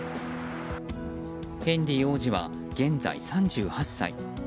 ヘンリー王子は現在３８歳。